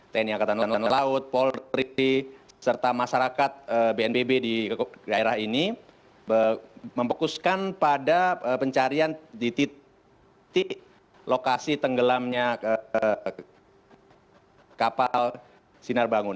tni angkatan laut polri serta masyarakat bnpb di daerah ini memfokuskan pada pencarian di titik lokasi tenggelamnya kapal sinar bangun